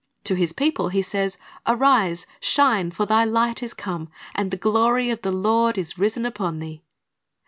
To His people He says, "Arise, shine; for thy light is come, and the glory of the Lord is risen upon thee."